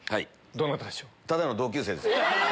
どなたでしょう？